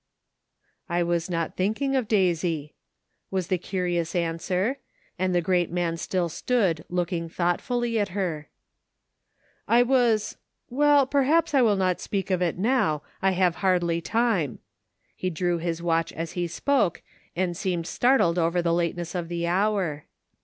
" I was not thinking of Daisy," was the curi ous answer, and the great man still stood look ing thoughtfully at her. " I was — well, perhaps I will not speak of it now, I have Jiardly time j " J19 drew his w^tob *' so YOU WANT TO GO HOME?'' 167 as he spoke, and seemed startled over the late ness of the hour.